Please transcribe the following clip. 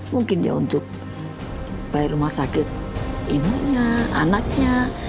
mungkin dia untuk bayar rumah sakit ibunya anaknya